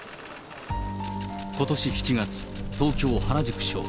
ことし７月、東京・原宿署。